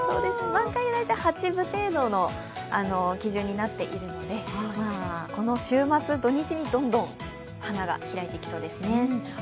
満開は大体八分程度の基準になっていますのでこの週末、土日にどんどん花が開いてきそうですね。